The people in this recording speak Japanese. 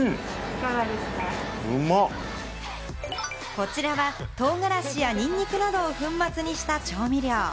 こちらは唐辛子やニンニクなどを粉末にした調味料。